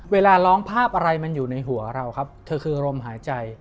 เวลาร้องภาพอะไรมันอยู่ในหัวเราครับเธอคือลมหายใจ